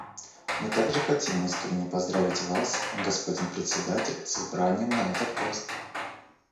Мы также хотим искренне поздравить Вас, господин Председатель, с избранием на этот пост.